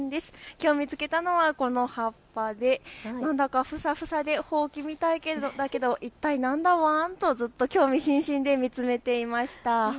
きょう見つけたのはこの葉っぱで何だかふさふさでほうきみたいだけど一体、何だワン？と興味津々で見つめていました。